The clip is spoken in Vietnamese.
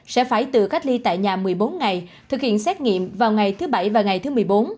sẽ phải tự cách ly tại nhà một mươi bốn ngày thực hiện xét nghiệm vào ngày thứ bảy và ngày thứ một mươi bốn